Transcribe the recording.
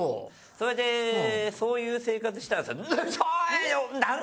それでそういう生活してたちょい！